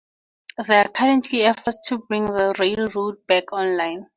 There are currently efforts to bring the railroad back online.